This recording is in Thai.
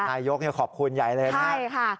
อ่านายกเนี้ยขอบคุณใหญ่เลยนะใช่ค่ะ